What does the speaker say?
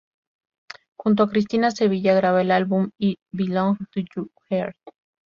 Junto a Cristina Sevilla graba el álbum "I Belong To Your Heart".